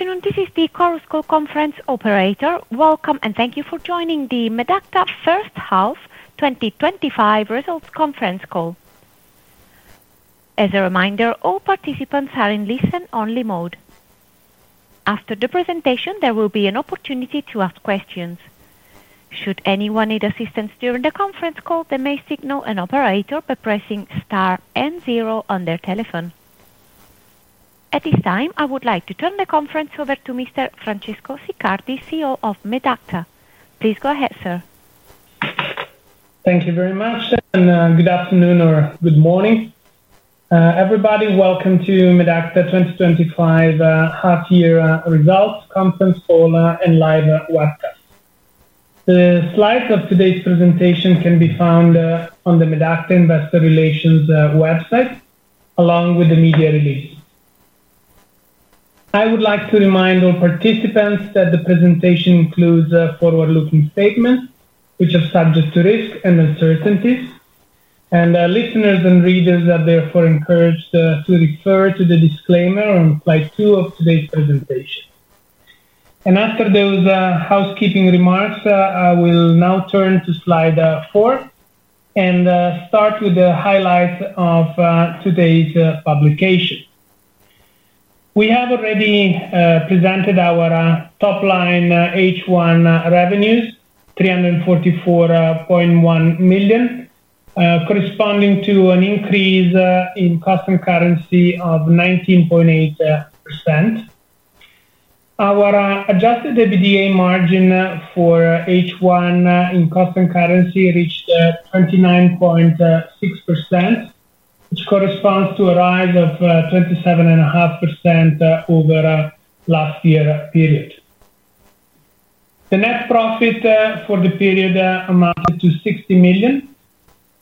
Afternoon, this is the CARUSCO conference operator. Welcome and thank you for joining the Medacta Group SA First Half 2025 results conference call. As a reminder, all participants are in listen-only mode. After the presentation, there will be an opportunity to ask questions. Should anyone need assistance during the conference call, they may signal an operator by pressing *N0 on their telephone. At this time, I would like to turn the conference over to Mr. Francesco Siccardi, CEO of Medacta Group SA. Please go ahead, sir. Thank you very much, and good afternoon or good morning. Everybody, welcome to Medacta Group SA 2025 half-year results conference call and live webcast. The slides of today's presentation can be found on the Medacta Investor Relations website, along with the media release. I would like to remind all participants that the presentation includes forward-looking statements, which are subject to risk and uncertainties. Listeners and readers are therefore encouraged to refer to the disclaimer on slide two of today's presentation. After those housekeeping remarks, I will now turn to slide four and start with the highlights of today's publication. We have already presented our top line H1 revenues, $344.1 million, corresponding to an increase in constant currency of 19.8%. Our adjusted EBITDA margin for H1 in constant currency reached 29.6%, which corresponds to a rise of 27.5% over the last year period. The net profit for the period amounts to $60 million,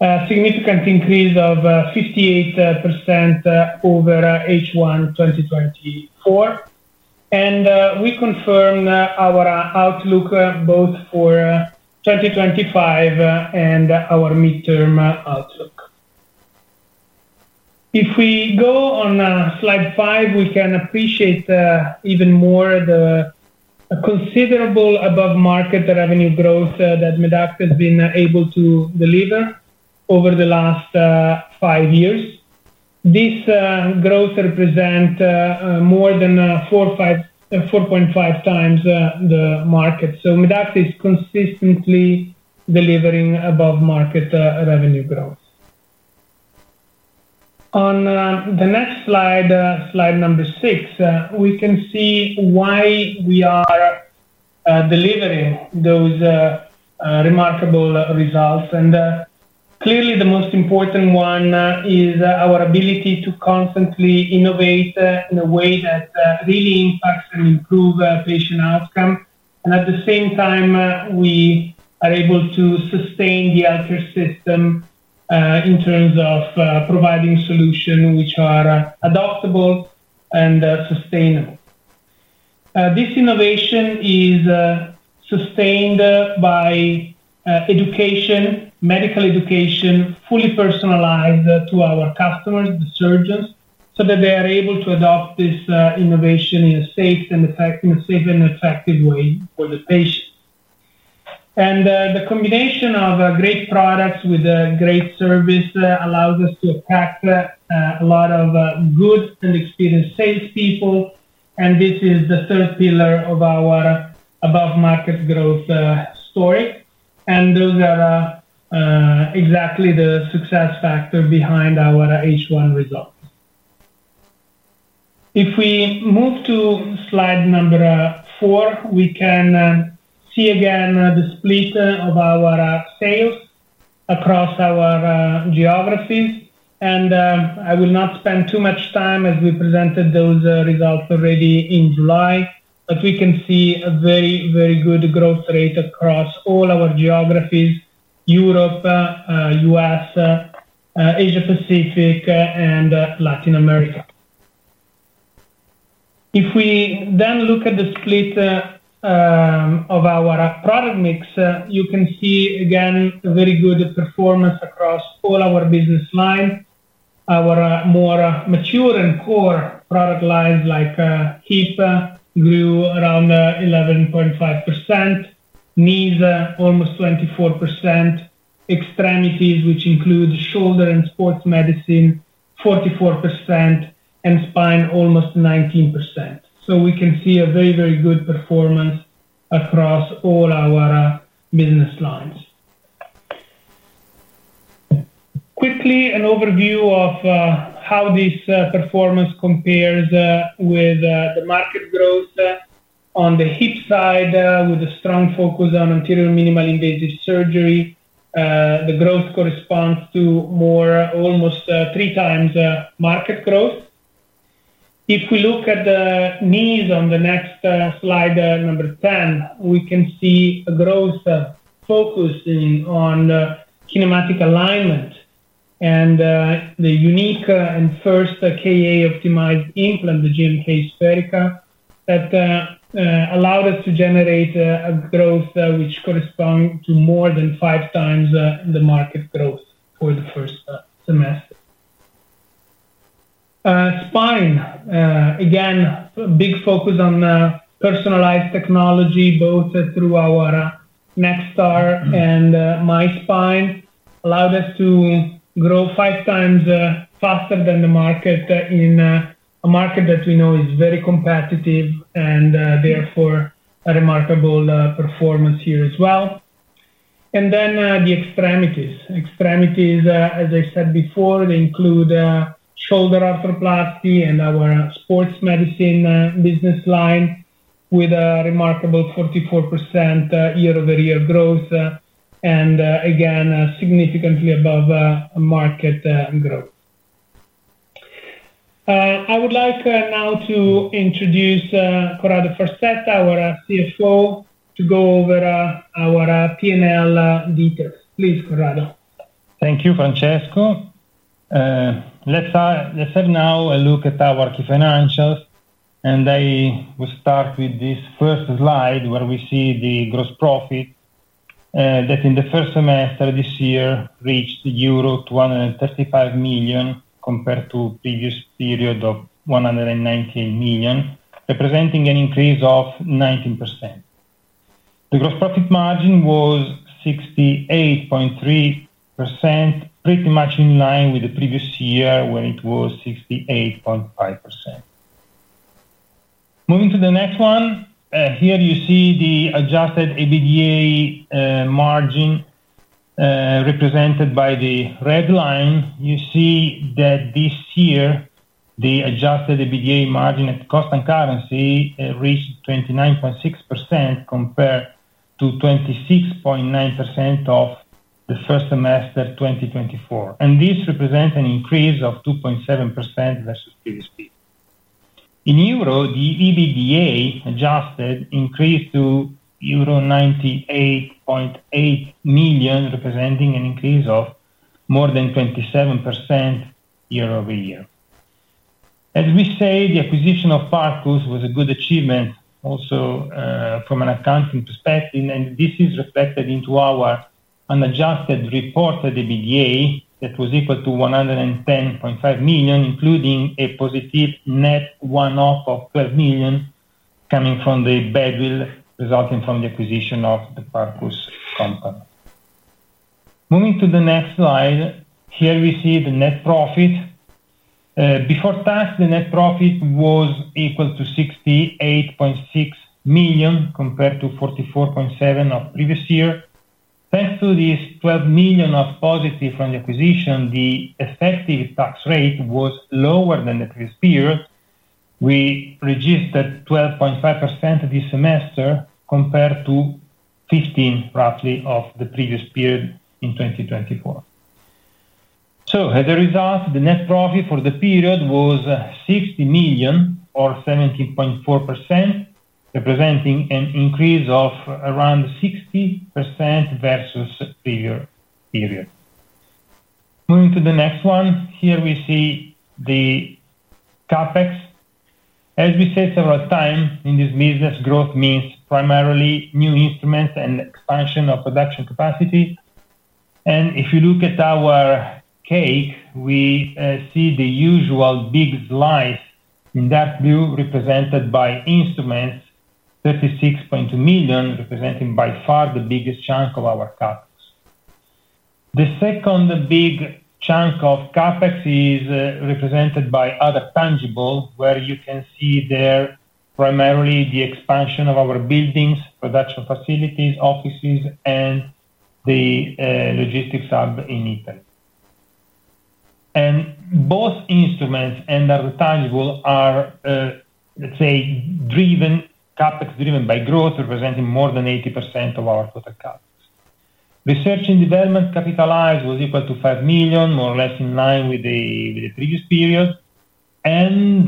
a significant increase of 58% over H1 2024. We confirmed our outlook both for 2025 and our midterm outlook. If we go on slide five, we can appreciate even more the considerable above-market revenue growth that Medacta Group SA has been able to deliver over the last five years. This growth represents more than 4.5 times the market. Medacta Group SA is consistently delivering above-market revenue growth. On the next slide, slide number six, we can see why we are delivering those remarkable results. Clearly, the most important one is our ability to constantly innovate in a way that really impacts and improves patient outcomes. At the same time, we are able to sustain the healthcare system in terms of providing solutions which are adoptable and sustainable. This innovation is sustained by education, medical education, fully personalized to our customers, the surgeons, so that they are able to adopt this innovation in a safe and effective way for the patient. The combination of great products with great service allows us to attract a lot of good and experienced, safe people. This is the third pillar of our above-market growth story. Those are exactly the success factors behind our H1 results. If we move to slide number four, we can see again the split of our sales across our geographies. I will not spend too much time as we presented those results already in July, but we can see a very, very good growth rate across all our geographies: Europe, United States, Asia-Pacific, and Latin America. If we then look at the split of our product mix, you can see again a very good performance across all our business lines. Our more mature and core product lines like hip grew around 11.5%, knees almost 24%, extremities, which include shoulder and sports medicine, 44%, and spine almost 19%. We can see a very, very good performance across all our business lines. Quickly, an overview of how this performance compares with the market growth on the hip side, with a strong focus on anterior minimally invasive surgery. The growth corresponds to almost three times market growth. If we look at the knees on the next slide, number 10, we can see a growth focusing on kinematic alignment and the unique and first KA-optimized implant, the GMK SpheriKA, that allowed us to generate a growth which corresponds to more than five times the market growth for the first semester. Spine, again, a big focus on personalized technology, both through our NextAR and MySpine, allowed us to grow five times faster than the market in a market that we know is very competitive and therefore a remarkable performance here as well. The extremities, as I said before, include shoulder arthroplasty and our sports medicine business line with a remarkable 44% year-over-year growth and again, significantly above market growth. I would like now to introduce Corrado Farsetta, our CFO, to go over our P&L details. Please, Corrado. Thank you, Francesco. Let's have now a look at our key financials. We start with this first slide where we see the gross profit that in the first semester this year reached €235 million compared to the previous period of €119 million, representing an increase of 19%. The gross profit margin was 68.3%, pretty much in line with the previous year when it was 68.5%. Moving to the next one, here you see the adjusted EBITDA margin represented by the red line. You see that this year the adjusted EBITDA margin at constant currency reached 29.6% compared to 26.9% of the first semester 2024. This represents an increase of 2.7% versus previously. In euro, the EBITDA adjusted increased to €98.8 million, representing an increase of more than 27% year over year. As we say, the acquisition of Parcus Medical was a good achievement also from an accounting perspective. This is reflected into our unadjusted reported EBITDA that was equal to €110.5 million, including a positive net one-off of €12 million coming from the benefit resulting from the acquisition of the Parcus Medical company. Moving to the next slide, here we see the net profit. Before tax, the net profit was equal to €68.6 million compared to €44.7 million of the previous year. Thanks to these €12 million of positive from the acquisition, the effective tax rate was lower than the previous period. We registered 12.5% this semester compared to 15% roughly of the previous period in 2024. As a result, the net profit for the period was €60 million or 17.4%, representing an increase of around 60% versus the previous period. Moving to the next one, here we see the CapEx. As we said several times, in this business, growth means primarily new instruments and expansion of production capacity. If you look at our CapEx, we see the usual big slice in that view represented by instruments, €36.2 million, representing by far the biggest chunk of our CapEx. The second big chunk of CapEx is represented by other tangibles, where you can see there primarily the expansion of our buildings, production facilities, offices, and the logistics hub in Italy. Both instruments and other tangibles are, let's say, CapEx driven by growth, representing more than 80% of our total CapEx. Research and development capitalized was equal to €5 million, more or less in line with the previous period. Today,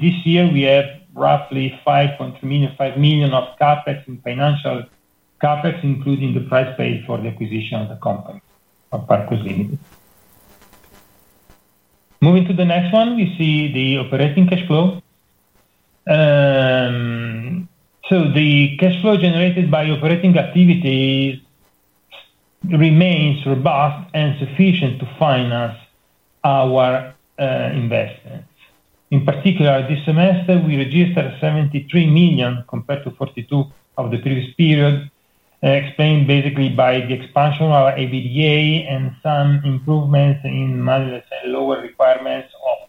this year, we have roughly €5.2 million of CapEx in financial CapEx, including the price paid for the acquisition of the company of Parcus Medical Limited. Moving to the next one, we see the operating cash flow. The cash flow generated by operating activity remains robust and sufficient to finance our investments. In particular, this semester, we registered €73 million compared to €42 million of the previous period, explained basically by the expansion of our EBITDA and some improvements in mileage and lower requirements of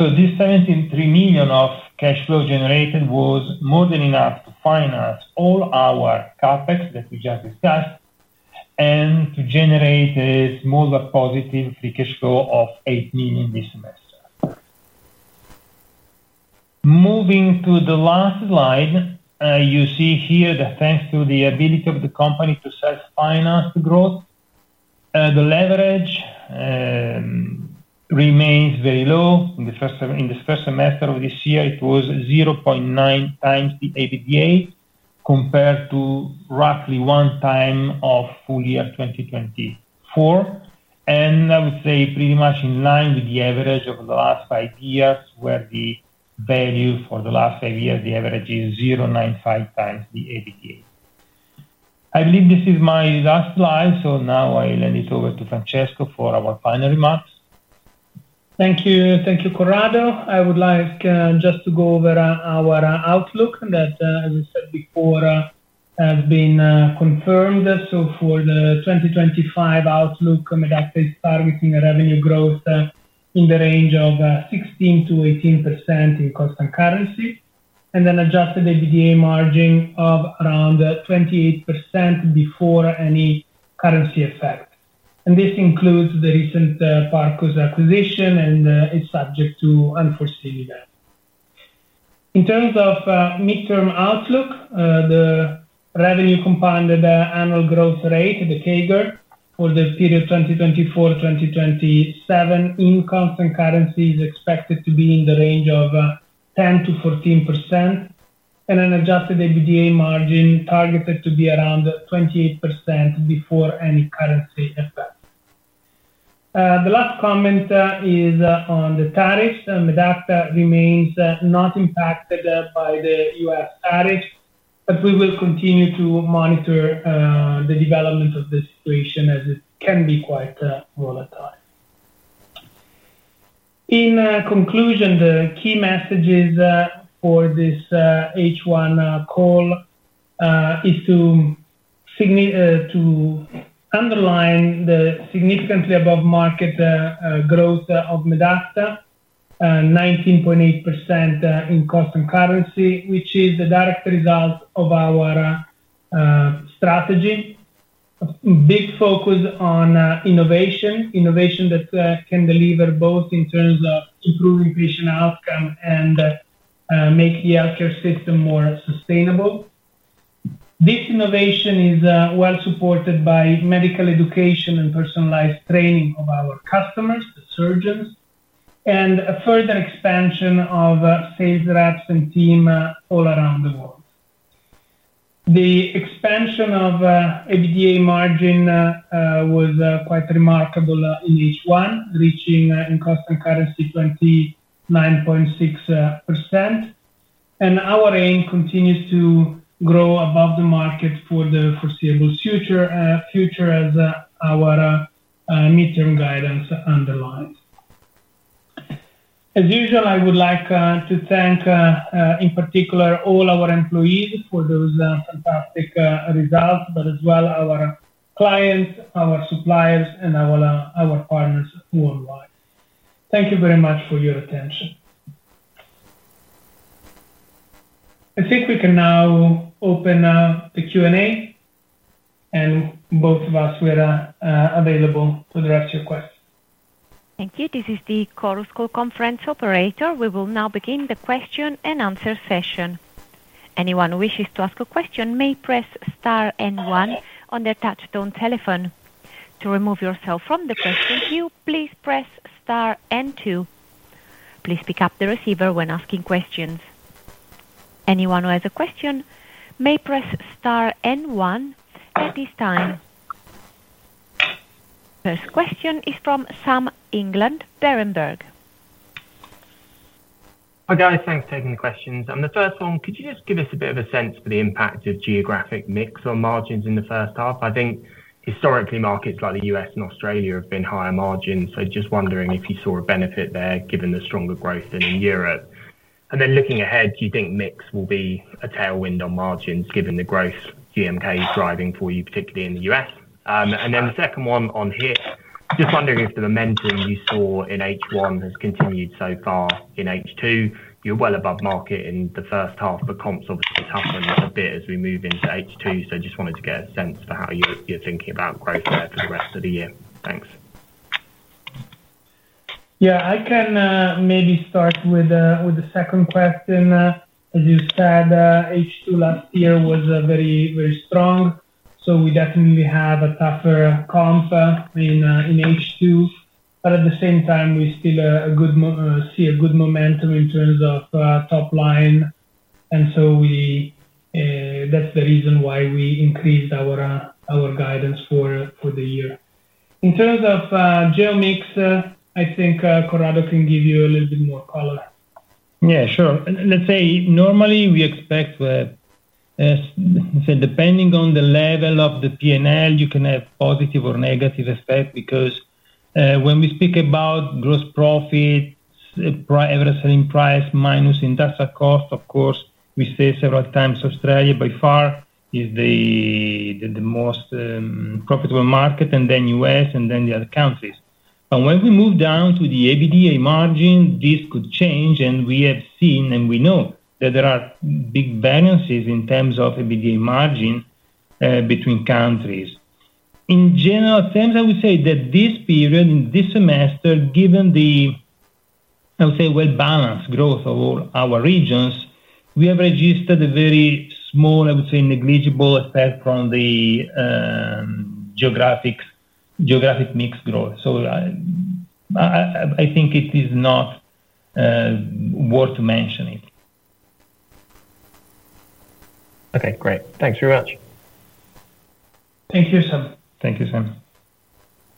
working capital. This €73 million of cash flow generated was more than enough to finance all our CapEx that we just discussed and to generate a smaller positive free cash flow of €8 million this semester. Moving to the last slide, you see here that thanks to the ability of the company to self-finance the growth, the leverage remains very low. In the first semester of this year, it was 0.9 times the EBITDA compared to roughly one time of full year 2024. I would say pretty much in line with the average over the last five years, where the value for the last five years, the average is 0.95 times the EBITDA. I believe this is my last slide, now I'll hand it over to Francesco for our final remarks. Thank you. Thank you, Corrado. I would like just to go over our outlook that, as I said before, has been confirmed. For the 2025 outlook, Medacta Group SA is targeting revenue growth in the range of 16% to 18% in constant currency, and an adjusted EBITDA margin of around 28% before any currency effect. This includes the recent Parcus Medical acquisition and is subject to unforeseen events. In terms of midterm outlook, the revenue compound annual growth rate, the CAGR, for the period 2024-2027 in constant currency is expected to be in the range of 10% to 14%, and an adjusted EBITDA margin targeted to be around 28% before any currency effect. The last comment is on the tariffs. Medacta Group SA remains not impacted by the U.S. tariffs, but we will continue to monitor the development of the situation as it can be quite volatile. In conclusion, the key messages for this H1 call are to underline the significantly above-market growth of Medacta Group SA, 19.8% in constant currency, which is a direct result of our strategy. A big focus on innovation, innovation that can deliver both in terms of improving patient outcomes and making the healthcare system more sustainable. This innovation is well supported by medical education and personalized training of our customers, the surgeons, and a further expansion of sales reps and team all around the world. The expansion of EBITDA margin was quite remarkable in H1, reaching in constant currency 29.6%. Our aim continues to grow above the market for the foreseeable future, as our midterm guidance underlines. As usual, I would like to thank in particular all our employees for those fantastic results, but as well our clients, our suppliers, and our partners worldwide. Thank you very much for your attention. I think we can now open the Q&A, and both of us are available for the rest of your questions. Thank you. This is the CARUSCO conference operator. We will now begin the question and answer session. Anyone who wishes to ask a question may press *N1 on their touchstone telephone. To remove yourself from the presentation, please press *N2. Please pick up the receiver when asking questions. Anyone who has a question may press *N1 at this time. First question is from Sam England, Berenberg. Hi guys, thanks for taking the questions. On the first one, could you just give us a bit of a sense for the impact of geographic mix on margins in the first half? I think historically markets like the U.S. and Australia have been higher margins, so just wondering if you saw a benefit there given the stronger growth than in Europe. Looking ahead, do you think mix will be a tailwind on margins given the growth GMK is driving for you, particularly in the U.S.? The second one on here, just wondering if the momentum you saw in H1 has continued so far in H2. You're well above market in the first half, but comps obviously have happened a bit as we move into H2, so I just wanted to get a sense for how you're thinking about growth there for the rest of the year. Thanks. Yeah, I can maybe start with the second question. As you said, H2 last year was very, very strong, so we definitely have a tougher comp in H2. At the same time, we still see a good momentum in terms of top line, and that's the reason why we increased our guidance for the year. In terms of gel mix, I think Corrado can give you a little bit more color. Yeah, sure. Let's say normally we expect that, depending on the level of the P&L, you can have positive or negative effects because when we speak about gross profit, average selling price minus industrial cost, of course, we say several times Australia by far is the most profitable market, then U.S., and then the other countries. When we move down to the EBITDA margin, this could change, and we have seen and we know that there are big balances in terms of EBITDA margin between countries. In general, I would say that this period in this semester, given the, I would say, well-balanced growth of all our regions, we have registered a very small, I would say, negligible effect from the geographic mix growth. I think it is not worth to mention it. Okay, great. Thanks very much. Thank you, Sam. Thank you, Sam.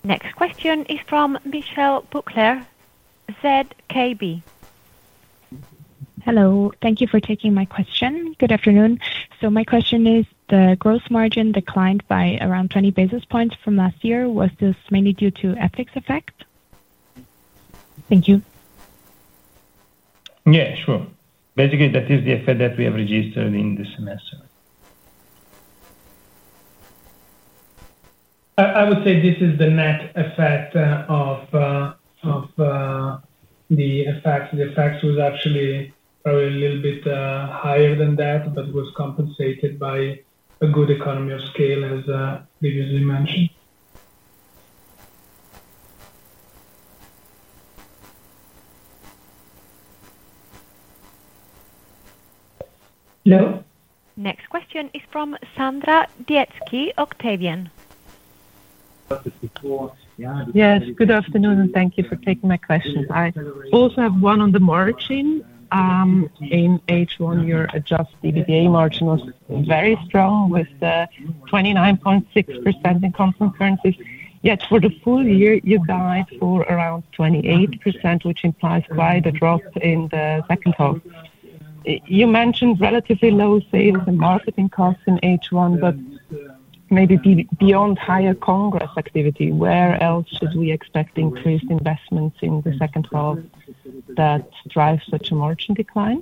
Next question is from Michelle Bookler, ZKB. Hello, thank you for taking my question. Good afternoon. My question is, the gross margin declined by around 20 basis points from last year. Was this mainly due to a fixed effect? Thank you. Yeah, sure. Basically, that is the effect that we have registered in this semester. I would say this is the net effect of the effects. The effects were actually a little bit higher than that, but was compensated by a good economy of scale, as previously mentioned. Next question is from Sandra Dietzky, Octavian. Yes, good afternoon and thank you for taking my question. I also have one on the margin. In H1, your adjusted EBITDA margin was very strong with 29.6% in constant currency. Yet for the full year, you guide for around 28%, which implies a wider drop in the second half. You mentioned relatively low sales and marketing costs in H1, but maybe beyond higher congress activity, where else should we expect increased investments in the second half that drive such a margin decline?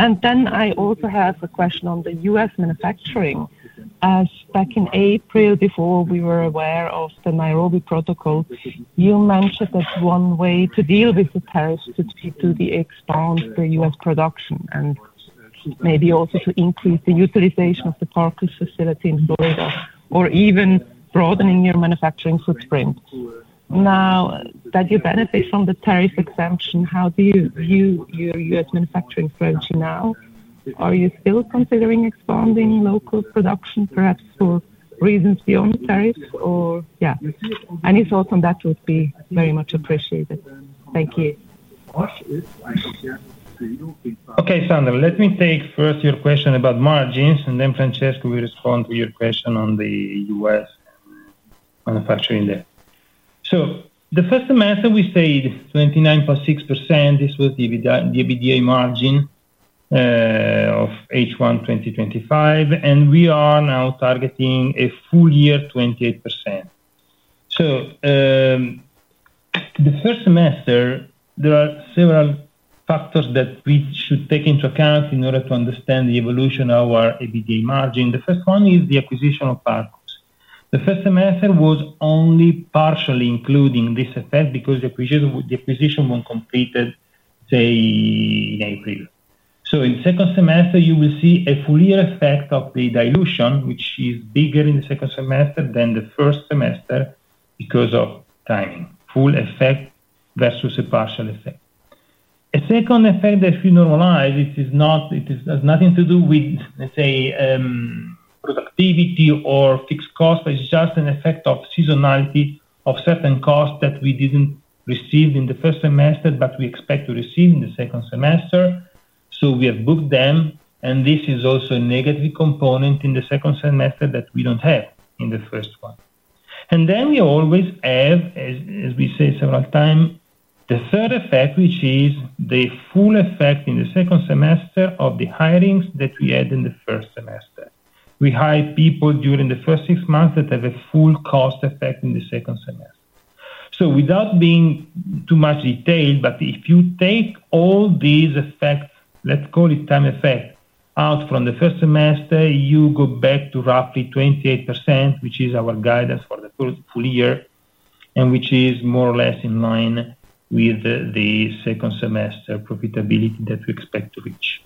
I also have a question on the U.S. manufacturing, as back in April, before we were aware of the Nairobi Protocol, you mentioned as one way to deal with the tariffs to expand the U.S. production and maybe also to increase the utilization of the Parcus Medical facility in Florida or even broadening your manufacturing footprint. Now that you benefit from the tariff exemption, how do you view your U.S. manufacturing strategy now? Are you still considering expanding local production, perhaps for reasons beyond tariffs? Any thoughts on that would be very much appreciated. Thank you. Okay, Sandra, let me take first your question about margins, and then Francesco will respond to your question on the U.S. manufacturing there. The first semester we said 29.6%, this was the EBITDA margin of H1 2023, and we are now targeting a full year 28%. The first semester, there are several factors that we should take into account in order to understand the evolution of our EBITDA margin. The first one is the acquisition of Parcus Medical. The first semester was only partially including this effect because the acquisition wasn't completed, say, in April. In the second semester, you will see a full year effect of the dilution, which is bigger in the second semester than the first semester because of timing, full effect versus a partial effect. A second effect that we normalize, it has nothing to do with, let's say, productivity or fixed costs, but it's just an effect of seasonality of certain costs that we didn't receive in the first semester, but we expect to receive in the second semester. We have booked them, and this is also a negative component in the second semester that we don't have in the first one. We always have, as we say several times, the third effect, which is the full effect in the second semester of the hirings that we had in the first semester. We hire people during the first six months that have a full cost effect in the second semester. Without being too much detailed, if you take all these effects, let's call it time effect, out from the first semester, you go back to roughly 28%, which is our guidance for the full year, and which is more or less in line with the second semester profitability that we expect to reach.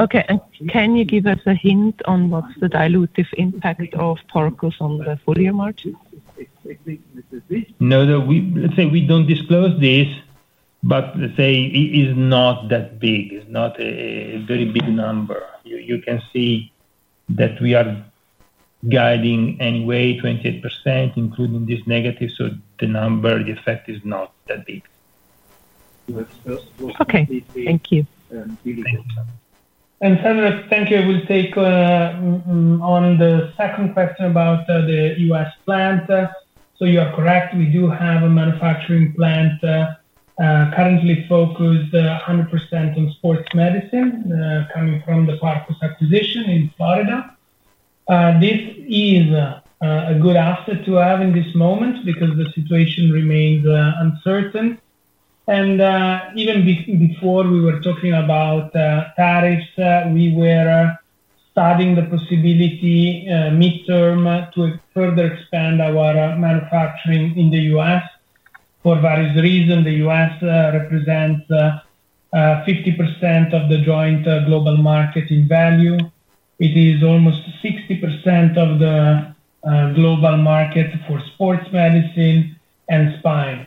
Okay. Can you give us a hint on what's the dilutive impact of Parcus Medical on the full year margin? No, let's say we don't disclose this, but let's say it is not that big. It's not a very big number. You can see that we are guiding anyway 28%, including this negative, so the number, the effect is not that big. Okay. Thank you. And Sandra, thank you. I will take on the second question about the U.S. plant. You are correct. We do have a manufacturing plant currently focused 100% on sports medicine, coming from the Parcus Medical acquisition in Florida. This is a good asset to have in this moment because the situation remains uncertain. Even before we were talking about tariffs, we were studying the possibility midterm to further expand our manufacturing in the U.S. for various reasons. The U.S. represents 50% of the joint global market in value. It is almost 60% of the global market for sports medicine and spine.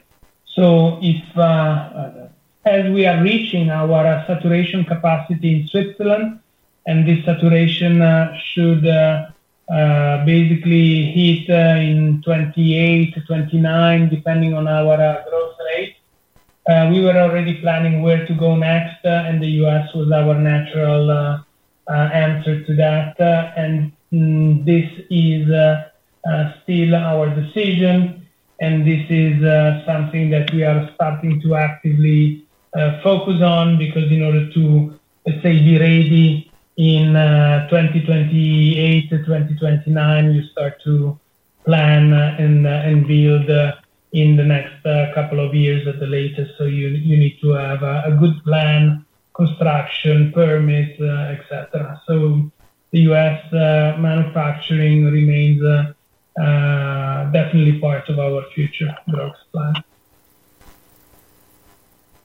As we are reaching our saturation capacity in Switzerland, and this saturation should basically hit in 2028 to 2029, depending on our growth rate, we were already planning where to go next, and the U.S. was our natural answer to that. This is still our decision, and this is something that we are starting to actively focus on because in order to, let's say, be ready in 2028 to 2029, you start to plan and build in the next couple of years at the latest. You need to have a good plan, construction, permits, etc. The U.S. manufacturing remains definitely part of our future growth plan.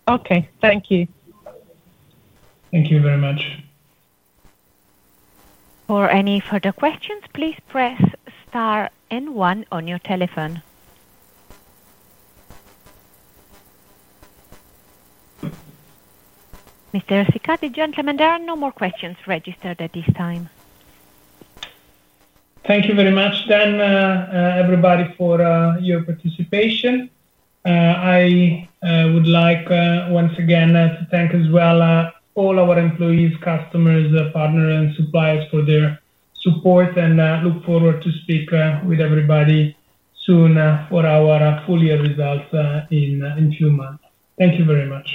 Okay. Thank you. Thank you very much. For any further questions, please press *N1 on your telephone. Mr. Siccardi, gentlemen, there are no more questions registered at this time. Thank you very much. Thank everybody for your participation. I would like once again to thank as well all our employees, customers, partners, and suppliers for their support, and I look forward to speaking with everybody soon for our full year results in two months. Thank you very much.